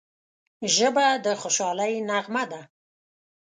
ژبه د خوشحالۍ نغمه ده